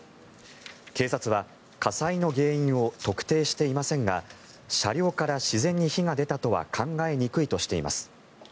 警察は火災の原因を特定していませんが車両から自然に火が出たとは考えにくいとしています。